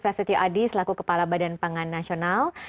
prasetyo adi selaku kepala badan pangan nasional